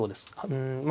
うんまあ